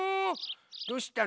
どうしたの？